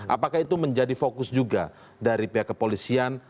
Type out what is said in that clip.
apakah itu menjadi fokus juga dari pihak kepolisian